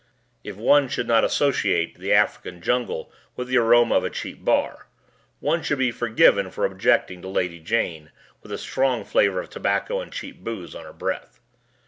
If one should not associate the African jungle with the aroma of a cheap bar, one should be forgiven for objecting to Lady Jane with a strong flavor of tobacco and cheap booze on her breath.